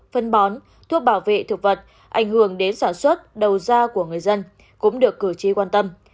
phân bón thuốc bảo vệ thực vật ảnh hưởng đến sản xuất đầu ra của người dân cũng được cử tri quan tâm